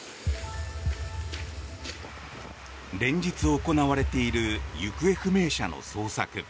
連日行われている行方不明者の捜索。